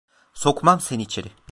Sokmam seni içeri…